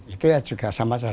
itu ya juga sama saja